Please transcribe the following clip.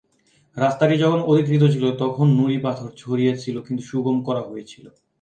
রাস্তাটি যখন অধিকৃত ছিল, তখন নুড়ি পাথর ছড়িয়ে ছিল কিন্তু সুগম করা হয়েছিল।